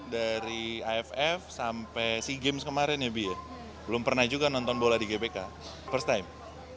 dari aff sampai sea games kemarin ya bu ya belum pernah juga nonton bola di gbk first time